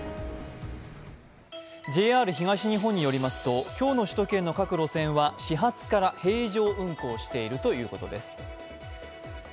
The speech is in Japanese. ＪＲ東日本によりますと今日の首都圏の各路線は始発から平常運行しているということです。